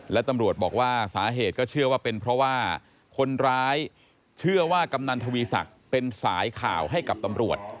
และตำรวจบอกว่าสาเหตุก็เชื่อว่าเป็นเพราะว่าคนร้ายเชื่อว่ากำนันทวีศักดิ์เป็นสายข่าวให้กับตำรวจ